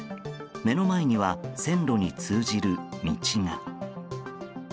目の前には線路に通じる道が。